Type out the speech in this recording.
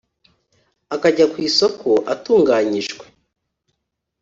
akajya ku isoko atunganyije